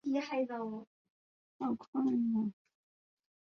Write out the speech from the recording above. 从此其总部变成了这策略性的圣地的拥有者至今。